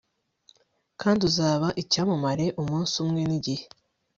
kandi uzaba icyamamare umunsi umwe nigihe